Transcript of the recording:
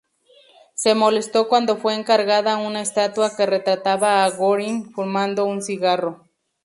Se molestó cuando fue encargada una estatua que retrataba a Göring fumando un cigarro.